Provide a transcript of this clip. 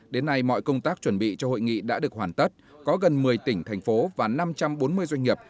đến nay mọi công tác chuẩn bị cho hội nghị đã được hoàn tất có gần một mươi tỉnh thành phố và năm trăm bốn mươi doanh nghiệp